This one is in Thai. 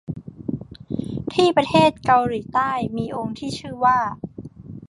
ที่ประเทศเกาหลีใต้มีองค์ที่ชื่อว่า